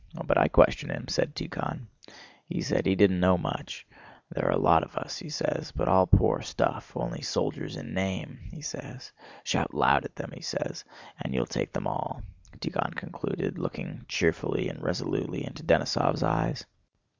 "But I questioned him," said Tíkhon. "He said he didn't know much. 'There are a lot of us,' he says, 'but all poor stuff—only soldiers in name,' he says. 'Shout loud at them,' he says, 'and you'll take them all,'" Tíkhon concluded, looking cheerfully and resolutely into Denísov's eyes.